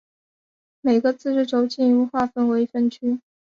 每个自治区进一步划分为分区。